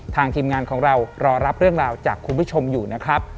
ทีมงานของเรารอรับเรื่องราวจากคุณผู้ชมอยู่นะครับ